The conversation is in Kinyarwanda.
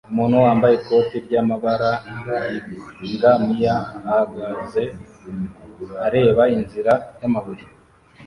Umuntu wambaye ikoti ryamabara yingamiya ahagaze areba inzira yamabuye